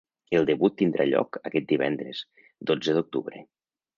El debut tindrà lloc aquest divendres, dotze d’octubre.